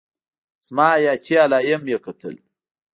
زما حياتي علايم يې کتل.